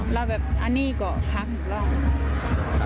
แล้วอันนี้ก็พักหลุดละ